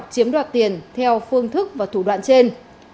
chiếm đoạt tiền theo phương thức và thủ đoạn trên